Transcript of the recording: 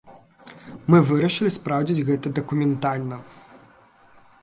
Мы вырашылі спраўдзіць гэта дакументальна.